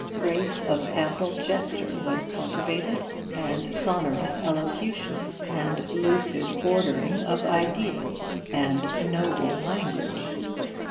Grace of ample gesture was cultivated, and sonorous elocution, and lucid ordering of ideas, and noble language.